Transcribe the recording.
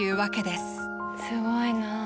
すごいな。